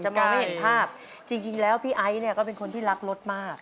มองไม่เห็นภาพจริงแล้วพี่ไอซ์เนี่ยก็เป็นคนที่รักรถมาก